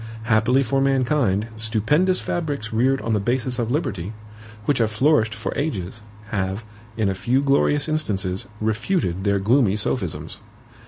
Happily for mankind, stupendous fabrics reared on the basis of liberty, which have flourished for ages, have, in a few glorious instances, refuted their gloomy sophisms.